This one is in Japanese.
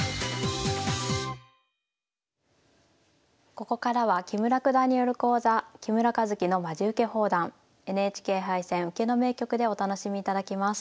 ここからは木村九段による講座「木村一基のまじウケ放談ＮＨＫ杯戦・受けの名局」でお楽しみいただきます。